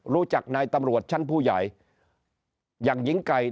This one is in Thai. รู้จักนายตำรวจชั้นผู้ใหญ่อย่างหญิงไก่